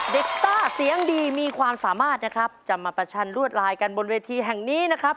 ต้าเสียงดีมีความสามารถนะครับจะมาประชันรวดลายกันบนเวทีแห่งนี้นะครับ